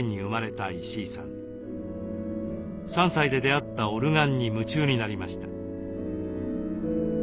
３歳で出会ったオルガンに夢中になりました。